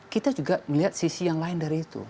kita juga melihat sisi yang lain dari itu